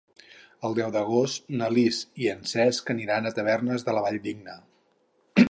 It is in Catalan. El deu d'agost na Lis i en Cesc aniran a Tavernes de la Valldigna.